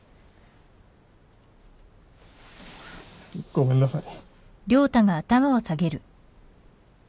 ごめんなさい。